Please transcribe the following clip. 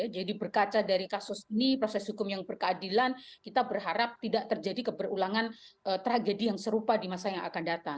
jadi berkaca dari kasus ini proses hukum yang berkeadilan kita berharap tidak terjadi keberulangan tragedi yang serupa di masa yang akan datang